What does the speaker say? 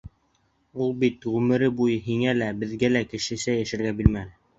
Ул бит ғүмер буйы һиңә лә, беҙгә лә кешесә йәшәргә бирмәне.